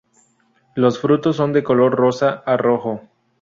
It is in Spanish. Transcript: Los frutos son de color rosa a rojo.